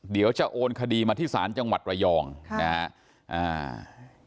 เดี๋ยวจะโอนคดีมาที่ศาลจังหวัดระยองนะฮะ